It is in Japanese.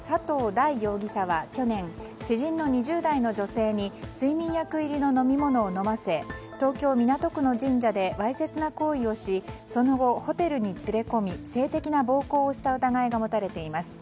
大容疑者は去年知人の２０代の女性に睡眠薬入りの飲み物を飲ませ東京・港区の神社でわいせつな行為をしその後、ホテルに連れ込み性的な暴行をした疑いが持たれています。